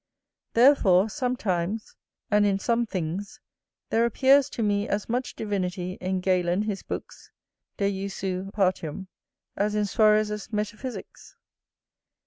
Therefore, sometimes, and in some things, there appears to me as much divinity in Galen his books, De Usu Partium, as in Suarez's Metaphysicks.